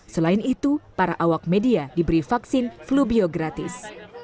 selain itu para awak media diberi vaksin flu biogratis